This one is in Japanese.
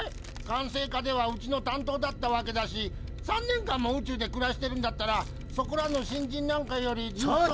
管制課ではうちの担当だったわけだし３年間も宇宙で暮らしてるんだったらそこらの新人なんかよりずっと。